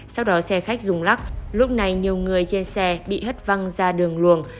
sau đó xe khách dùng lắc lúc này nhiều người trên xe bị hất văng ra đường luồng